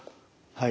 はい。